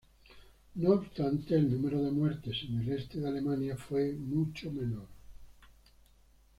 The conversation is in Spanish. No obstante, el número de muertes en el este de Alemania fue mucho menor.